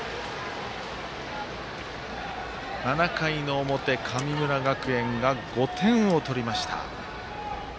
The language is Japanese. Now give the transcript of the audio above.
７回の表、神村学園が５点を取りました。